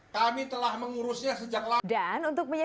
kami telah mengurusnya